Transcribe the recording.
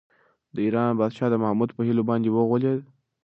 د ایران پادشاه د محمود په حيلو باندې وغولېد.